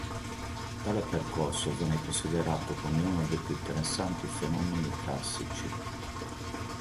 Tale percorso viene considerato come uno dei più interessanti fenomeni carsici.